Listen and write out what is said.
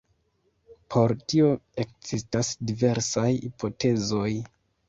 Por tio ekzistas diversaj hipotezoj.